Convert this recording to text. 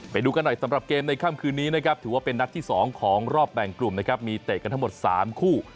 ไปดูกันหน่อยสำหรับเกมในค่ำคืนนี้นะครับถือว่าเป็นนัดที่๒ของรอบแบ่งกลุ่มนะครับมีเตะกันทั้งหมด๓คู่